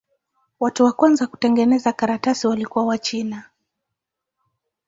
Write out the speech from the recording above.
Watu wa kwanza kutengeneza karatasi walikuwa Wachina.